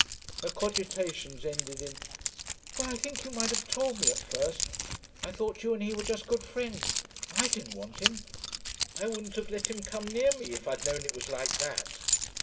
Her cogitations ended in, 'Well, I think you might have told me at first. I thought you and he were just good friends. I didn't want him. I wouldn't have let him come near me if I'd known it was like that.